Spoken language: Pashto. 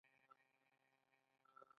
شیطان ولې دښمن دی؟